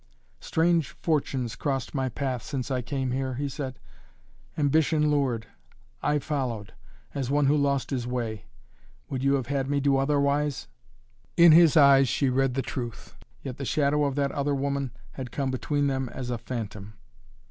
"Strange fortunes crossed my path since I came here," he said. "Ambition lured I followed, as one who lost his way. Would you have had me do otherwise?" In his eyes she read the truth. Yet the shadow of that other woman had come between them as a phantom.